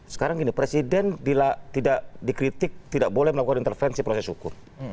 sekarang gini presiden bila tidak dikritik tidak boleh melakukan intervensi proses hukum